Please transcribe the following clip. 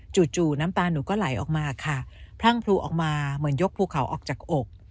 จู่น้ำตาหนูก็ไหลออกมาค่ะพรั่งพลูออกมาเหมือนยกภูเขาออกจากอก